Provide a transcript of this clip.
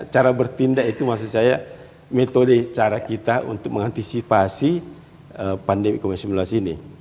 cara bertindak itu maksud saya metode cara kita untuk mengantisipasi pandemi komersil melalui sini